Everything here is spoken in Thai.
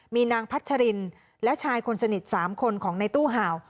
มีนางพัชรินและชายคนสนิท๓คนของในตู้ห่าว